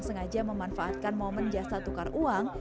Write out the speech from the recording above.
sengaja memanfaatkan momen jasa penukar uang